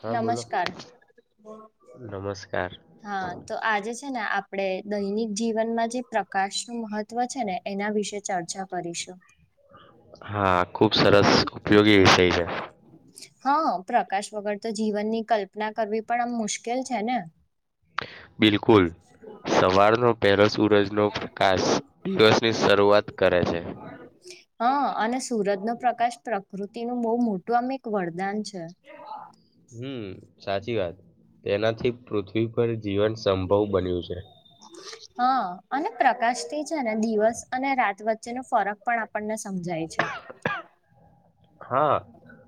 હા બોલો. નમસ્કાર નમસ્કાર હા તો આજે છે ને આપ આપણે દૈનિક જીવનમાં જે પ્રકાશ નું મહત્વ છે ને એના વિશે ચર્ચા કરીશું. હા ખુબ સરસ ઉપયોગી વિષય છે. હા પ્રકાશ વગર તો જીવનની કલ્પના કરવી પણ આમ મુશ્કેલ છે ને. બિલકુલ. સવારનો પહેલો સૂરજનો પ્રકાશ દિવસની શરૂઆત કરે છે. [inaudible] હા અને સુરત નો પ્રકાશ પ્રકૃતિનું બહુ મોટું આમ એક વરદાન છે. હમ સાચી વાત તેનાથી પૃથ્વી પર જીવન સંભવ બન્યું છે. હા અને પ્રકાશથી છે ને દિવસ અને રાત વચ્ચેનો ફરક પણ આપણને સમજાય છે. [inaudible] હા.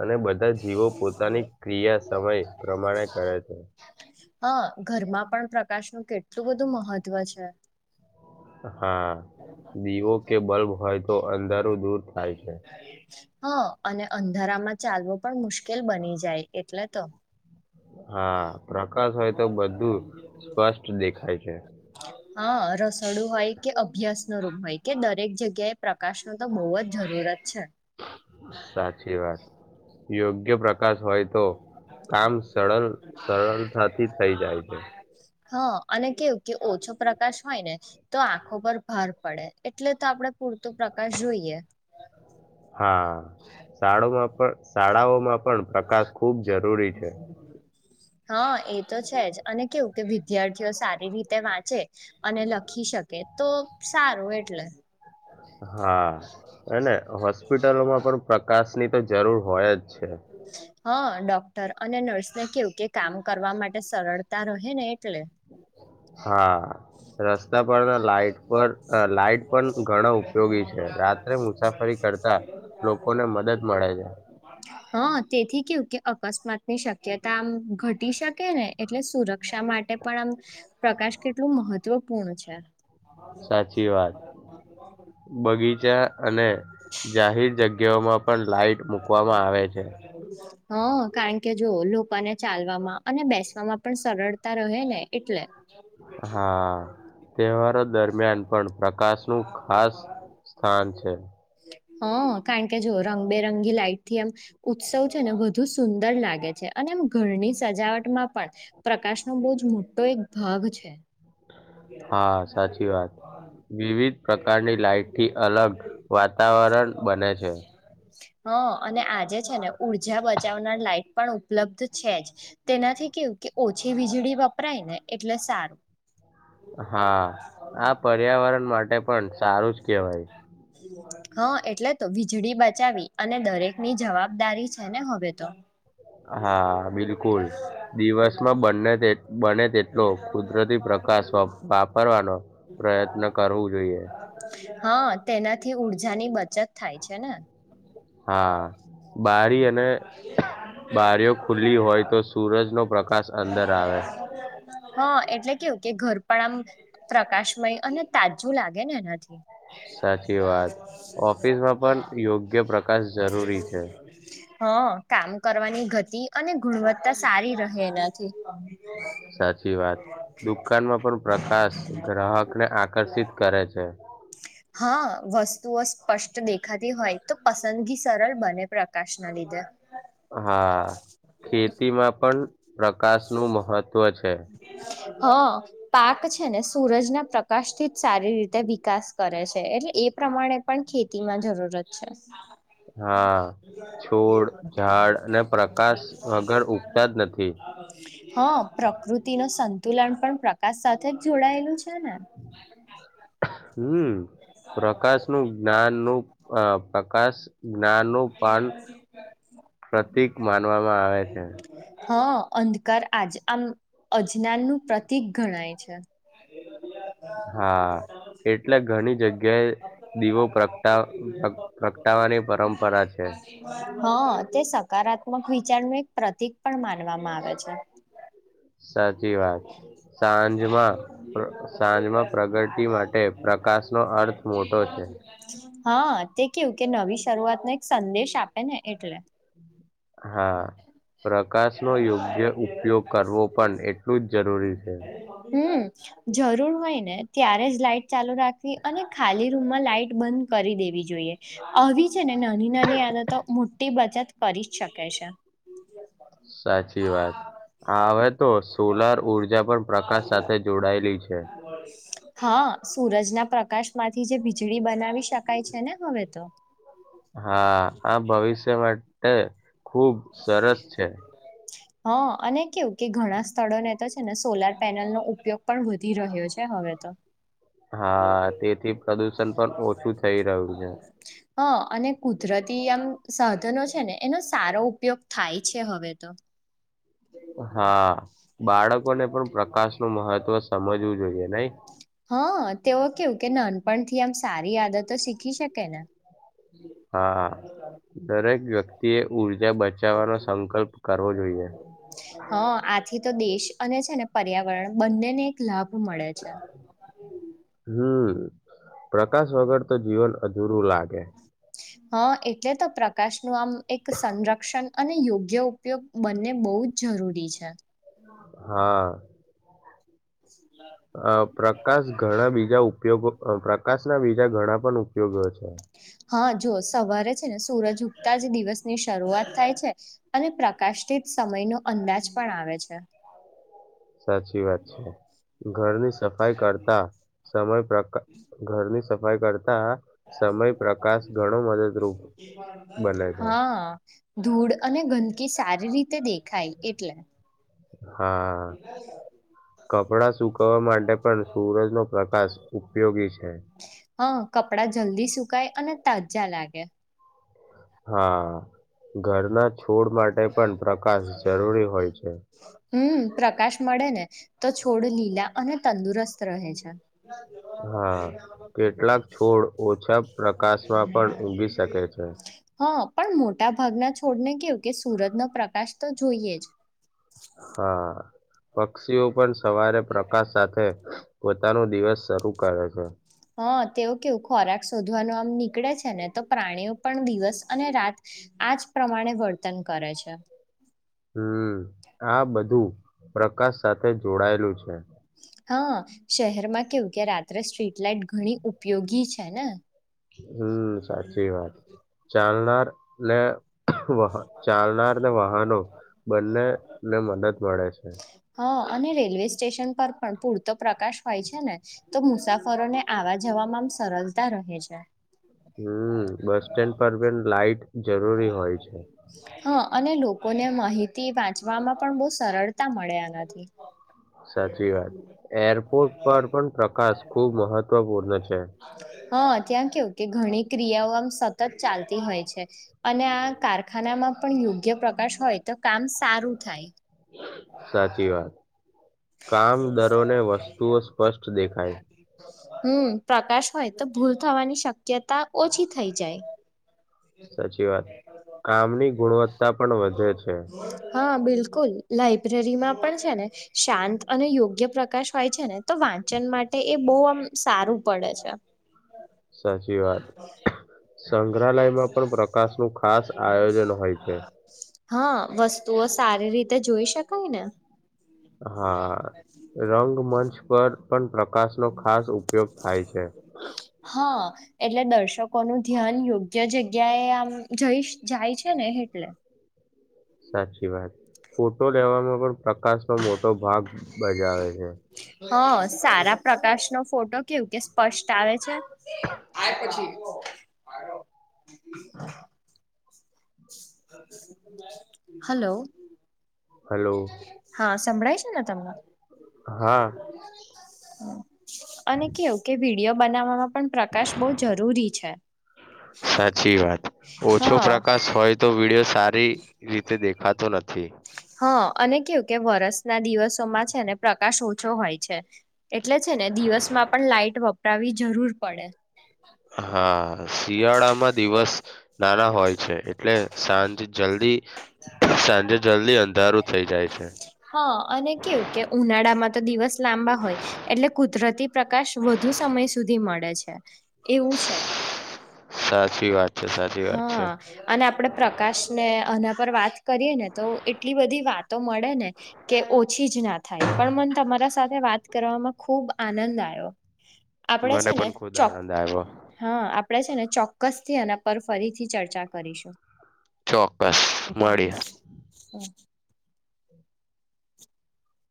અને બધા જીવો પોતાની ક્રિયા સમય પ્રમાણે કરે છે. હા ઘરમાં પણ પ્રકાશનું કેટલું બધું મહત્વ છે. હા દીવો કે બલ્બ હોય તો અંધારું દૂર થાય છે. હા અને અંધારામાં ચાલવો પણ મુશ્કેલ બની જાય એટલે તો. હા પ્રકાશ હોય તો બધું સ્પષ્ટ દેખાય છે. હા રસોડું હોય કે અભ્યાસ નું રૂપ હોય કે દરેક જગ્યાએ પ્રકાશ નુ તો બહુ જ જરૂરત છે સાચી વાત યોગ્ય પ્રકાર પ્રકાશ હોય તો કામ સરળ સરળતાથી થઈ જાય છે. હા અને કેવું કે ઓછો પ્રકાશ હોય ને તો આંખો પર ભાર પડે એટલે તો આપડે પૂરતો પ્રકાશ જોઈએ. હા શાળામાં પણ શાળાઓમાં પણ પ્રકાશ ખૂબ જરૂરી છે. [inaudible] હા એ તો છે જ અને કેવું કે વિદ્યાર્થીઓ સારી રીતે વાંચે અને લખી શકે તો સારું એટલે. હા એને હોસ્પિટલોમાં પણ પ્રકાશ ની તો જરૂર ભય જ છે હા ડોક્ટર અને નર્સ ને કેવું કે કામ કરવા માટે સરળતા રહે ને એટલે હા રસ્તા પરના લાઈટ પર અ લાઈટ પણ ઘણા ઉપયોગી છે. [inaudible] રાત્રે મુસાફરી કરતા લોકોને મદદ મળે છે હા તેથી કેવુ કે અકસ્માતની શક્યતા આમ ઘટી શકે ને એટલે સુરક્ષા માટે પણ આમ પ્રકા સ કેટલું મહત્વપૂર્ણ છે. સાચી વાત બગીચા અને જાહેર જગ્યાઓમાં પણ લાઈટ મૂકવા [inaudible] હા કારણ કે જો લોકોને ચાલવામાં અને બેસવામાં પણ સરળતા રહે ને એટલે હા તહેવારો દરમિયાન પણ પ્રકાશનું ખાસ સ્થાન છે. હ કારણ કે જો રંગબેરંગી લાઈટ થી એમ ઉત્સવ છે ને વધુ સુંદર લાગે છે અને એમ ઘરની સજાવટમાં પણ પ્ર કાશનો બો જ મોટો એક ભાગ છે. હા સાચી વાત વિવિધ પ્રકારની લાઈટથી અલગ વાતા સરળ બને છે. [inaudible] હ અને આજે છે, ને ઉર્જા બચાવનાર લાઈટ પણ ઉપલબ્ધ છે, જ તેનાથી કેવું કે ઓછી વીજળી વપરાય ને એટલે સારું હા આ પર્યાવરણ માટે પણ સારું જ કેવાય હા એટલે તો વીજળી બચાવી અને દરેકની જવાબદારી છે, ને હવે તો હા બિલકુલ દિવસમાં બંને તે બને તેટલો કુદરતી પ્રકાશ વપ વાપરવાનો પ્રયત્ન કરવુ જોઈએ હા તેનાથી ઊર્જાની બચત થાય છે, ને હા બારી અને બારીઓ [inaudible] ખુલ્લી હોય તો સૂરજનો પ્રકાશ અંદર આવે હા એટલે કેવું કે ઘર પણ આમ પ્રકાશમય અને તાજું લાગે ને એનાથી સાચી વાત ઓફિસમાં પણ યોગ્ય પ્રકાશ જરૂરી છે. હ કામ કરવાની ગતિ અને ગુણવત્તા સારી રહે એનાથી સાચી વાત. [inaudible] દુકાનમાં પણ પ્રકાશ ગ્રાહકને આકર્ષિત કરે છે. હા વસ્તુઓ સ્પષ્ટ દેખાતી હોય તો પસંદગી સરલ બને પ્રકાશના લીધે હા ખેતીમાં પણ પ્રકાશનું મહત્ત્વ છે. હ પાક છે, ને સૂરજના પ્રકાશથી જ સારી રીતે વિકાસ કરે છે, એટલે એ પ્રમાણે પણ ખેતીમાં જરૂરત છે. હા છોડ ઝાડ અને પ્રકાશ વગર ઉગતા જ નથી હા પ્રકૃતિ ન સંતુલન પણ પ્રકાશ સાથે જ જોડાયેલું છે. ને [inaudible] હમ પ્રકાશનું જ્ઞાનનું અ આકાશ જ્ઞાનનું પાન પ્રતીક માનવામાં આવે છે. હા અંધકાર આજ આમ અજનાનનું પ્રતિક ગણાય છે. હા એટલે ઘણી જગ્યાએ દીવો પ્રગટા પ્રગ- પ્રગટાવાની પરંપરા છે [unintelligible] હા તે સકારાત્મક વિચારનું એક પ્રતિક પણ માનવામાં આવે છે. સાચી વાત સાંજમાં સાંજમાં પ્રગતિ માટે પ્રકાશનો અર્થ મોટો છે. હા તે કેવું કે નવી શરૂઆત ને એક સંદેશ આપે ને એટલે હા. પ્રકાશનો યોગ્ય ઉપયોગ કરવો પણ એટલું જ જરૂરી છે. હમ જરૂર હોય ને ત્યારે જ લાઈટ ચાલુ રાખવી અને ખાલી રૂમમાં લાઈટ બંધ કરી દે વી જોઈએ આવી છે ને નાની નાની આદતો મોટી બચત કરી શકે છે. સાચી વાત હા હવે તો સોલાર ઊર્જા પણ પ્રકાશ સાથે જોડાયેલી છે. હા સુરજના પ્રકાશમાંથી જે વીજળી બનાવી શકાય છે, ને હવે તો હા આ ભવિષ્ય માટે ખુબ સરસ છે. હ અને કેવું કે ઘણા સ્થળોને તો છે, ને સોલાર પેનલનો ઉપયોગ પણ વધી રહ્યો છે, હવે ત. હા તેથી પ્રદુષણ પણ ઓછું થઈ રહ્યું છે. હ અને કુદરતી આમ સાધનો છે, ને એનો સારો ઉપયોગ થાય છે, હવે તો હા બાળકોને પણ પ્રકાશ નું મહત્વ સમજવું જોઈએ નઈ? હ તેઓ કેવું કે નાનપણથી આમ સારી આદતો શીખી શકે ને હા હા દરેક વ્યક્તિએ ઉર્જા બચાવવાનો સંકલ્પ કર હ આથી તો દેશ અને છે, ને પર્યાવરણ બંનેને એક લાભ મળે છે. હમ પ્રકાશ વગર તો જીવન અધૂરું લાગે હ એટલે તો પ્રકાશ નું આમ એક સંરક્ષણ અને યોગ્ય ઉપયોગ બંને બોવ ખુબ જરૂરી છે. હા. આ પ્રકાશ ઘણા બીજા ઉપયોગો પ્રકાશના બીજા ઘણા પણ ઉપયોગો છે. હા જો સવારે છે, જ સૂરજ ઉગતા જ દિવસ ની શરૂઆત થાય છે, અને પ્રકાશથી સમય નો અંદાજ પણ આવે છે. સાચી વાત છે, ઘરની સફાઈ કરતા સમય પ્રકા ઘરની સફાઈ કર મદદરૂપ બને છે હા. ધૂળ અને ગંદકી સારી રીતે દેખાય એટલે હા કપડા સુકવવા માટે પણ સૂરજ નો પ્રકાશ ઉપયોગી છે. હ કપડા જલ્દી સુકાય અને તાજા લાગે હા ઘરના છોડ માટે પણ પ્રકાશ જરૂરી હોય છે. હમ પ્રકાશ મળે ને તો છોડ લીલા અને તંદુરસ્ત રહે છે. [inaudible] હા કેટલાક છોડ ઓછા પ્રકાશમાં પણ ઊગી શકે છે હ. પણ મોટા ભાગના છોડને કેવું કે સુરજનો પ્રકાશ તો જોઈએ જ હા પક્ષીઓ પણ સવારે પ્રકાશ સાથે પોતાનું દિવસ શરૂ કરે છે. હ તેઓ કેવું ખોરાક શોધવાનું આમ નીકળે છે, ને તો પ્રાણીઓ પણ દિવસ અને રાત આ આ જ પ્રમાણે વર્તન કરે છે. હમ આ બધું પ્રકાશ સાથે જોડાયેલું છે. હ શહેરમાં કેવું કે રાત્રે સ્ટ્રીટ લાઈટ ઘણી ઉપયોગી છે ને? હમ સાચી વાત ચાલનાર ને વહા ચાલનાર ને વાહનો બંને ને મદદ મળે છે. હા અને રેલવેસ સ્ટેશન પર પણ પૂરતો પ્રકાશ હોય છે, ને તો મુસાફરોને આવા જવામાં આમ સરલતા ર હે છે. હમ બસ સ્ટેન્ડ પર પર લાાઈટ જરૂરી હોય છે. હા અને લોકોને મહિતી વાંચવામાં પણ બો સરળતા મળે આનાથી સાચી વાત એરપોર્ટ પર પણ પ્રકાશ ખુબ મહત્વપૂર્ણ છે. હા ત્યાં કેવું કે ઘણી ક્રિયાઓ આમ સતત ચાલતી હોય છે. અને આ કારખાનામાં પણ યોગ્ય પ્રકાશ હોય તો કામ સારું થાય સાચી વાત કામ દરોને વસ્તુઓ સ્પષ્ટ દેખાય હમ પ્રકાશ હોય તો ભૂલ થવાની શક્યતા ઓછી થઈ જાય સાચી વાત કામની ગુણવત્તા પણ વધે છે હા બિલકુલ લાઈબ્રેરી માં પણ છે ને શાંત અને યોગ્ય પ્રકાશ હોય છે ને તો વાંચન માટે એ બહુ આમ સારું પડે છે સાચી વાત સંગ્રહાલયમાં પણ પ્રકાશ નું ખાસ આયોજન હોય છે હા વસ્તુઓ સારી રીતે જોઈ શકાય ને હા રંગ મંચ પર પણ પ્ર આકાશનો ખાસ ઉપયોગ થાય છે હા એટલે દર્શકો નું ધ્યાન યોગ્ય જગ્યાએ આમ જઈ જાય છે ને એટલે સાચી વાત ફોટો લેવામાં પણ પ્રકાશનો મોટો ભાગ બજાવે છે હ સારા પ્રકાશ નો ફોટો કેવું કે સ્પષ્ટ આવે છે [inaudible] હલો હલો હા સંભળાય છે ને તમને હા અને કેવું કે વિડીિયો બનાવવામાં પણ પ્રકાશ બહુ જરૂરી છે સાચી વાત ઓછો હા પ્રકાશ હોય તો વિડીિયો સારી રીતે દેખ ખાતું નથી હા અને કેવું કે વરષના દિવસોમાં છેને પ્રકાશ ઓછો હોય છે એટલે ને દિવસમાં પણ લાઈટ વપરાવી જરૂર પડે હા શિયાળામાં દિવસ નાના હોય છે એટલે સાંજ જલ્દી સાંજે જલ્દી અંધારું થઈ જાય છે. હા અને કેવું કે ઉનાળામાં તો દિવસ લાંબા હોય એટલે કુદરતી પ્રકાશ વધુ સમય સુધી મળે છે એવું છે સાચી વાત છે સાચી વાત છે હા અને આપડે પ્રકાશ ને એના પર વાત કરીએ ને તો એટલી બધી વાત તો મળે ને કે ઓછી જ ના થાય પણ મને તમારા સાથે વાત કરવામાં ખુબ આનંદ આવ્યો આપડે મને છે ને પણ ખુદ ચો આનંદ આવ્યો. હા આપણેે છે ને ચોક્કસ થી એના પર ફરીથી ચર્ચા કરીશું ચોક્કસ હા મળી હા.